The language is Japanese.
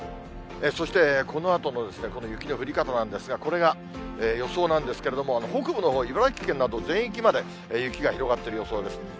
そして、このあとのこの雪の降り方なんですが、これが予想なんですけれども、北部のほう、茨城県など全域まで雪が広がってる予想です。